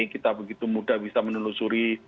kita begitu mudah bisa menelusuri